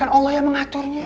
itu oleh engkau